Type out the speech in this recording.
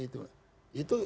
itu itu yang